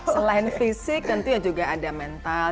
selain fisik tentunya juga ada mental